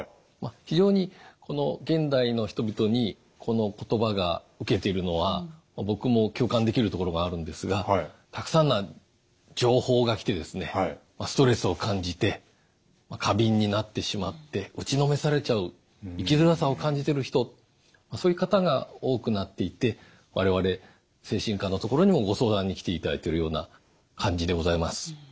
非常に現代の人々にこの言葉が受けているのは僕も共感できるところがあるんですがたくさんの情報が来てストレスを感じて過敏になってしまって打ちのめされちゃう生きづらさを感じてる人そういう方が多くなっていて我々精神科のところにもご相談に来ていただいてるような感じでございます。